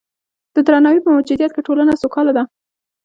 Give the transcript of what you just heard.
د درناوي په موجودیت کې ټولنه سوکاله ده.